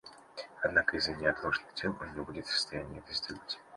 Однако из-за неотложных дел он не будет в состоянии это сделать.